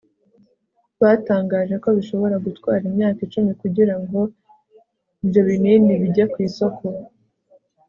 batangaje ko bishobora gutwara imyaka icumi kugira ngo ibyo binini bijye ku isoko